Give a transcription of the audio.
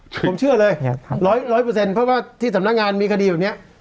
ผมเชื่อเลยร้อยเปอร์เซ็นต์เพราะว่าที่สำนักงานมีคดีแบบนี้